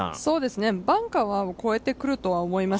バンカーを越えてくるとは思います。